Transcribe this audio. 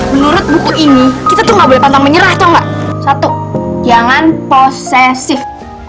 menurut buku ini kita tuh gak boleh pantang menyerah atau enggak satu jangan posesif